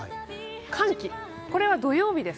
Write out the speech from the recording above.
寒気、これは土曜日です。